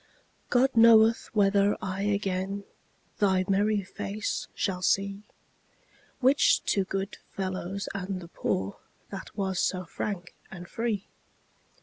God knoweth whether I again Thy merry face shall see, Which to good fellows and the poor That was so frank and free.